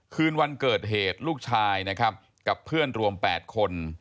คืนวันเกิดเหตุลูกชายนะครับกับเพื่อนรวม๘คน